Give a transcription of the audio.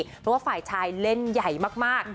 เพราะว่าฝ่ายชายเล่นใหญ่มาก